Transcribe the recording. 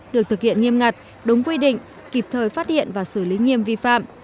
được thực hiện nghiêm ngặt đúng quy định kịp thời phát hiện và xử lý nghiêm vi phạm